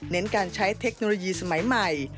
การใช้เทคโนโลยีสมัยใหม่